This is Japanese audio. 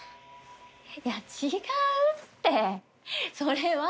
いや違うってそれは。